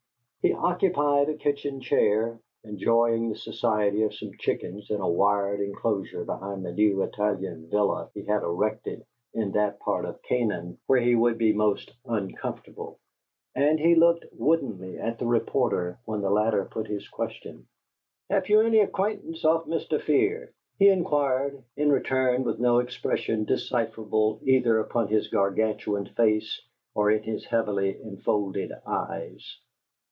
He occupied a kitchen chair, enjoying the society of some chickens in a wired enclosure behind the new Italian villa he had erected in that part of Canaan where he would be most uncomfortable, and he looked woodenly at the reporter when the latter put his question. "Hef you any aguaintunce off Mitster Fear?" he inquired, in return, with no expression decipherable either upon his Gargantuan face or in his heavily enfolded eyes.